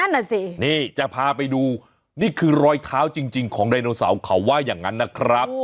น่ะสินี่จะพาไปดูนี่คือรอยเท้าจริงของไดโนเสาร์เขาว่าอย่างนั้นนะครับ